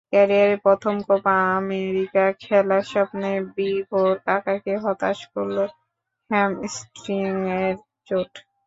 ক্যারিয়ারে প্রথম Copa America খেলার স্বপ্নে বিভোর কাকাকে হতাশ করল হ্যামস্ট্রিংয়ের চোট।